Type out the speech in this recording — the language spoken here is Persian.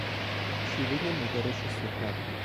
شیوهی نگارش سهراب